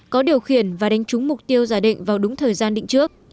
có điều khiển và đánh trúng mục tiêu giả định vào đúng thời gian định trước